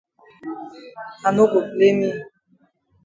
I no go blame yi.